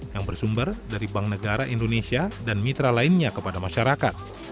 yang bersumber dari bank negara indonesia dan mitra lainnya kepada masyarakat